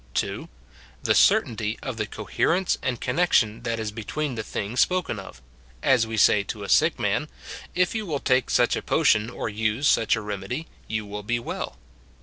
(2.) The certainty of the eolierence and connection that is between the things spoken of ; as we say to a sick man, " If you wdll take such a potion, or use such a remedy, you will be well."